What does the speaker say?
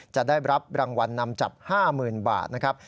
จะได้รับรางวัลนำจับ๕๐๐๐บาทนะครับ